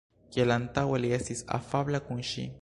Kiel antaŭe, li estis afabla kun ŝi.